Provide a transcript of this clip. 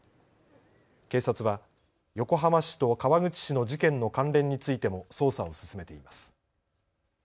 警察は横浜市と川口市の事件の関連についても捜査を進めています。